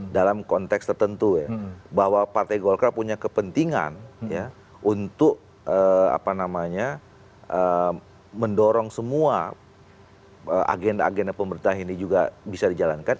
dalam konteks tertentu ya bahwa partai golkar punya kepentingan untuk mendorong semua agenda agenda pemerintah ini juga bisa dijalankan